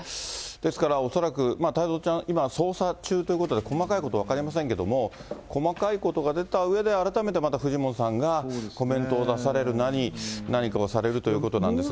ですから恐らく、太蔵ちゃん、今、捜査中ということで、細かいこと、分かりませんけれども、細かいことが出たうえで、改めてまたフジモンさんがコメントを出されるなり、何かをされるということなんですが。